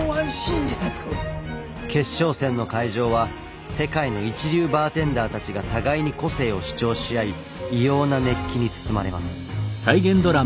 決勝戦の会場は世界の一流バーテンダーたちが互いに個性を主張し合い異様な熱気に包まれます。